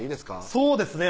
そうですね